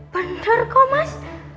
benar kok mas